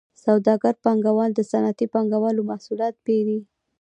سوداګر پانګوال د صنعتي پانګوالو محصولات پېري